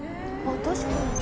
確かに。